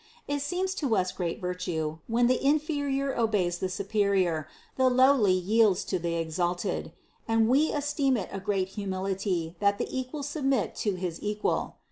It seems to us great virtue, when the inferior obeys the superior, the lowly yields to the exalted ; and we esteem it a great humility, that the equal submit to his equal.